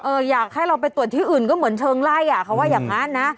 อยากให้เราไปตรวจที่อื่นก็เหมือนเชิงไล่อ่ะเขาว่าอย่างนั้นนะ